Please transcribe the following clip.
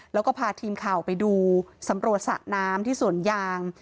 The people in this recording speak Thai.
แล้วก็พาทีมข่าวไปดูสำรวจสระน้ำที่สวนยาง